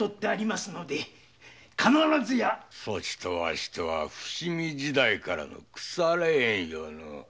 そちとわしとは伏見時代からの腐れ縁よな。